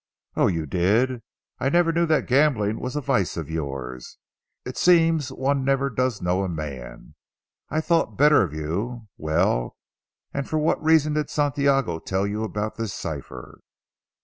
"Oh, you did. I never knew that gambling was a vice of yours. It seems one never does know a man. I thought better of you. Well, and for what reason did Santiago tell you about this cipher."